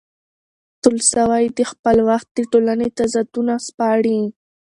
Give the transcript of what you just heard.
تولستوی د خپل وخت د ټولنې تضادونه سپړي.